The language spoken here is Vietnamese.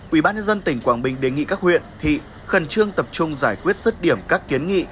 ubnd tỉnh quảng bình đề nghị các huyện thị khẩn trương tập trung giải quyết rứt điểm các kiến nghị